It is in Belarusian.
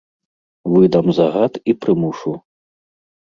Выдам загад і прымушу.